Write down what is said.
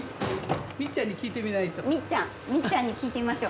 みっちゃんに聞いてみましょ。